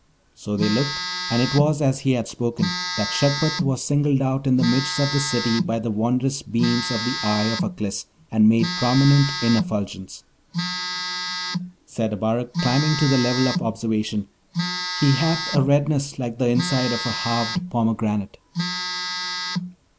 So they looked, and it was as he had spoken, that Shagpat was singled out in the midst of the city by the wondrous beams of the eye of Aklis, and made prominent in effulgence. Said Abarak, climbing to the level of observation, 'He hath a redness like the inside of a halved pomegranate.'